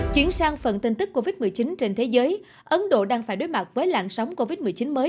chuyển sang phần tin tức covid một mươi chín trên thế giới ấn độ đang phải đối mặt với làn sóng covid một mươi chín mới